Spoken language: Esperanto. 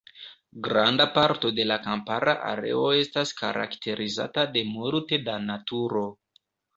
Granda parto de la kampara areo estas karakterizata de multe da naturo.